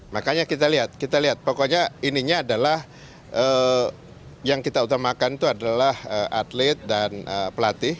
makanya kita lihat kita lihat pokoknya ininya adalah yang kita utamakan itu adalah atlet dan pelatih